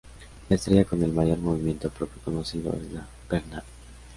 La estrella con el mayor movimiento propio conocido es la Barnard.